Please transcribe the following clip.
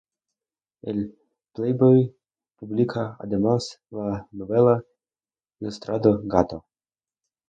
En ""Playboy"" publica, además, la novela ilustrada "Gato".